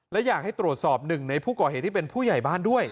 และอยากให้ตรวจสอบหนึ่งในผู้ก่อเหตุที่เป็นผู้ใหญ่บ้านด้วย